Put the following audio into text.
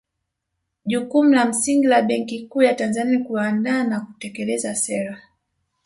Jukumu la msingi la Benki Kuu ya Tanzania ni kuandaa na kutekeleza sera